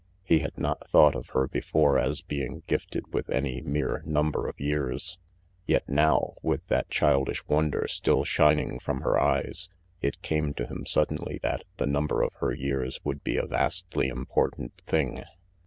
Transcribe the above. He had not thought of her before as being gifted with any mere number of years, yet now, with that childish wonder still shining from her eyes, it came to him suddenly that the number of her years would be a vastly important thing.